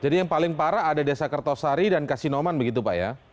jadi yang paling parah ada desa kertosari dan kasinoman begitu pak ya